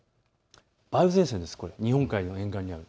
梅雨前線です、日本海の沿岸にある。